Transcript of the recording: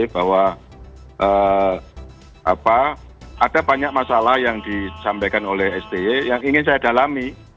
bahwa ada banyak masalah yang disampaikan oleh sti yang ingin saya dalami